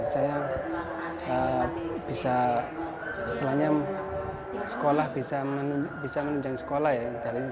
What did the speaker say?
saya bisa istilahnya sekolah bisa menunjang sekolah ya